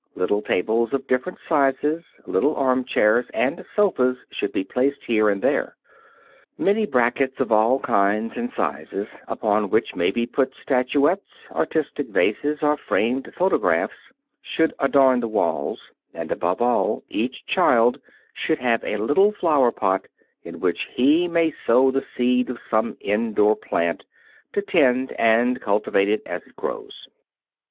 Little tables of different sizes, little armchairs and sofas should be placed here and there. Many brackets of all kinds and sizes, upon which may be put statuettes, artistic vases or framed photographs, should adorn the walls; and, above all, each child should have a little flower pot, in which he may sow the seed of some indoor plant, to tend and cultivate it as it grows.